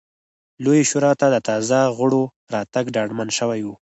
لویې شورا ته د تازه غړو راتګ ډاډمن شوی و